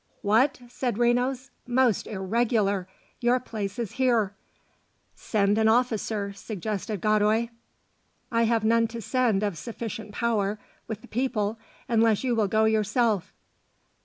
"What?" said Renos. "Most irregular; your place is here." "Send an officer," suggested Godoy. "I have none to send of sufficient power with the people, unless you will go yourself."